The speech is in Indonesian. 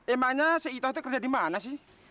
emangnya si ito itu kerja di mana sih